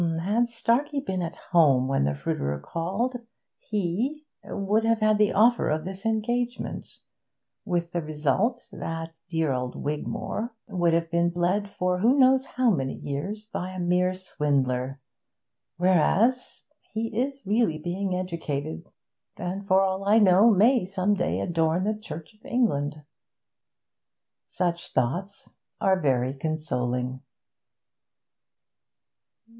Had Starkey been at home when the fruiterer called, he, it was plain, would have had the offer of this engagement. 'With the result that dear old Wigmore would have been bled for who knows how many years by a mere swindler. Whereas he is really being educated, and, for all I know, may some day adorn the Church of England.' Such thoughts are very consoling.